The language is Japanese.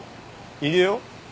いるよ。